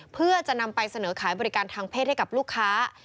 เพื่อจะนำไปเสนอขายบริการทางเพศให้กับลูกค้า